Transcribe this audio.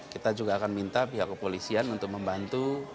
kita juga akan minta pihak kepolisian untuk membantu